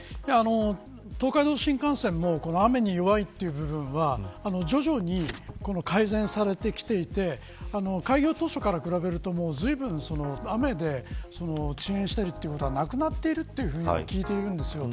東海道新幹線も雨に弱いという部分は徐々に改善されてきていて開業当初から比べるとずいぶん雨で遅延したりということはなくなっていると聞いています。